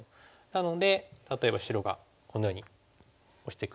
なので例えば白がこのようにオシてくると。